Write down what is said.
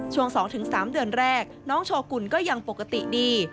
ช่วงสองถึงสามเดือนแรกน้องโชกุลก็ยังปกติดี